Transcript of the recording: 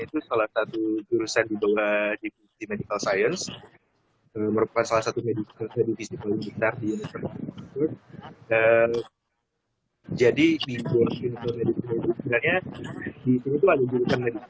itu salah satu jurusan di bawah timphsheet kavert merupakan salah satu didalam